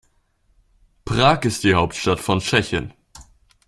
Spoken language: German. Prag ist die Hauptstadt von Tschechien.